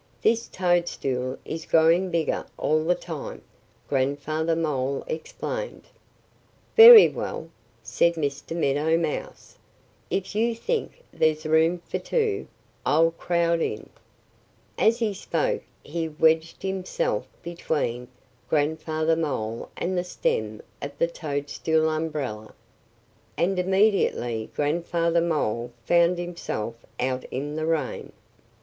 "This toadstool is growing bigger all the time," Grandfather Mole explained. "Very well!" said Mr. Meadow Mouse. "If you think there's room for two, I'll crowd in." As he spoke he wedged himself between Grandfather Mole and the stem of the toadstool umbrella. And immediately Grandfather Mole found himself out in the rain.